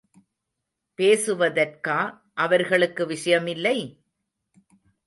பேசுவதற்கா அவர்களுக்கு விஷயமில்லை?